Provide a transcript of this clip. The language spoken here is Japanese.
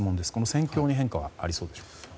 戦況に変化はありそうですか？